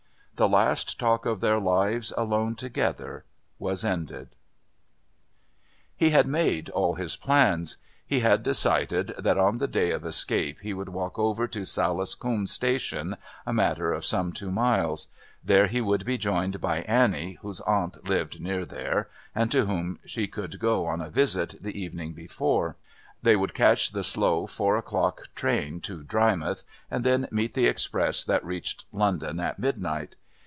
The last talk of their lives alone together was ended. He had made all his plans. He had decided that on the day of escape he would walk over to Salis Coombe station, a matter of some two miles; there he would be joined by Annie, whose aunt lived near there, and to whom she could go on a visit the evening before. They would catch the slow four o'clock train to Drymouth and then meet the express that reached London at midnight.